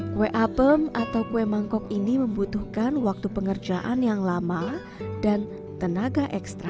kue apem atau kue mangkok ini membutuhkan waktu pengerjaan yang lama dan tenaga ekstra